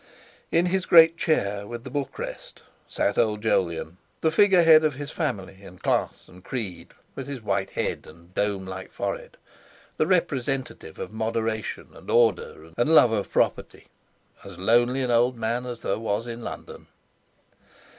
In his great chair with the book rest sat old Jolyon, the figurehead of his family and class and creed, with his white head and dome like forehead, the representative of moderation, and order, and love of property. As lonely an old man as there was in London.